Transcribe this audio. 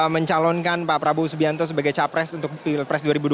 mencalonkan pak prabowo subianto sebagai capres untuk pilpres dua ribu dua puluh